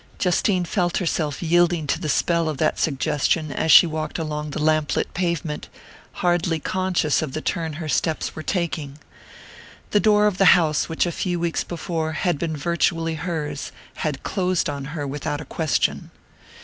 Justine felt herself yielding to the spell of that suggestion as she walked along the lamplit pavement, hardly conscious of the turn her steps were taking. The door of the house which a few weeks before had been virtually hers had closed on her without a question.